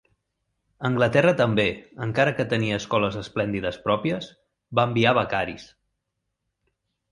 Anglaterra també, encara que tenia escoles esplèndides pròpies, va enviar becaris.